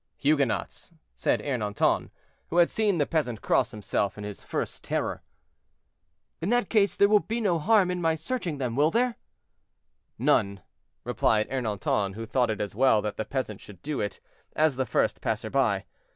"Huguenots," said Ernanton, who had seen the peasant cross himself in his first terror. "In that case there will be no harm in my searching them, will there?" "None," replied Ernanton, who thought it as well that the peasant should do it, as the first passer by.